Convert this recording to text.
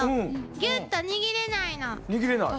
ギュッと握れないの。